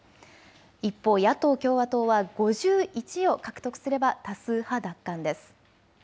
一方、野党・共和党は５１を獲得すれば多数派奪還です。